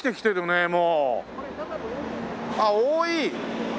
あっ覆い？